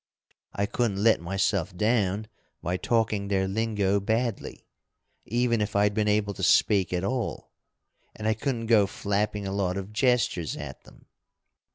I couldn't let myself down by talking their lingo badly even if I'd been able to speak at all and I couldn't go flapping a lot of gestures at them.